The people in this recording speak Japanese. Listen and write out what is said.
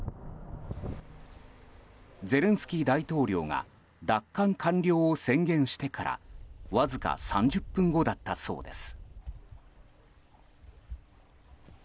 ゼレンスキー大統領が奪還完了を宣言してからわずか３０分後だったそうです。